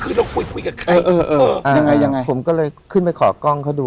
เออผมก็เลยขึ้นไปขอกล้องเขาดู